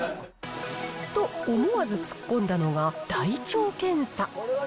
と、思わず突っ込んだのが大腸検査。